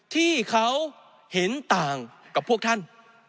ที่เขาเห็นต่างกับพวกท่าน